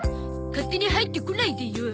勝手に入ってこないでよ。